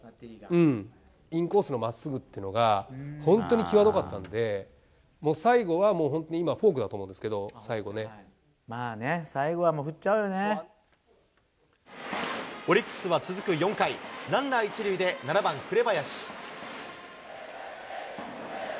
うん、インコースのまっすぐってのが、本当にきわどかったんで、もう最後はもう本当に、フォークだと思うんですけど、まあね、最後はもう、振っちオリックスは続く４回、ランナー一塁で７番紅林。